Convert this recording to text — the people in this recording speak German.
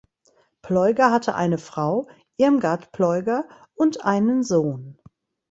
Pleuger hatte eine Frau (Irmgard Pleuger) und einen Sohn.